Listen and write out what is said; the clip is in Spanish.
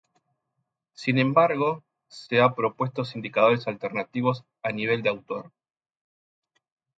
Sin embargo, se han propuesto indicadores alternativos a nivel de autor.